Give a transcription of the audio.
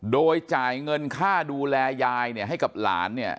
โดยจ่ายเงินค่าดูแลยายเนี่ยให้กับหลานเนี่ย